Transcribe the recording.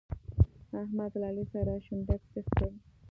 احمد له علي سره شونډک سيخ کړ.